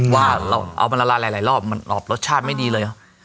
ว่าเรามันระลายหลายรอบเหมือนรสชาติไม่ดีเลย